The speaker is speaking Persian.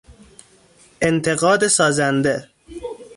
انتقاد سازنده